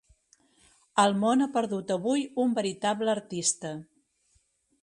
El món ha perdut avui un veritable artista.